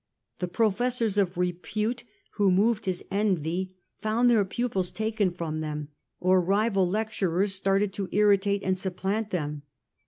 The professors of repute who moved his envy found their pupils taken from them, or as in the rival lecturers started to irritate and supplant them.